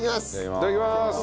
いただきます。